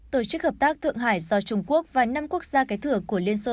tổ chức hợp tác thượng hải do trung quốc và năm quốc gia kế thửa của liên xô